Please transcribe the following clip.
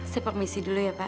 saya permisi dulu ya pak